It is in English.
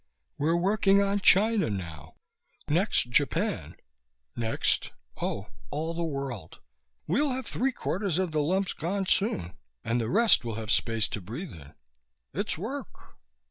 We're working on China now; next Japan; next oh, all the world. We'll have three quarters of the lumps gone soon, and the rest will have space to breathe in. It's work!"